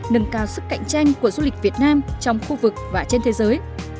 nâng cao sức cạnh tranh của du lịch việt nam trong khu vực và trên thế giới